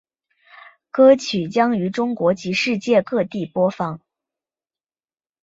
歌曲将于中国及世界各地播放。